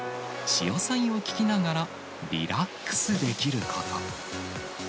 潮騒を聞きながらリラックスできること。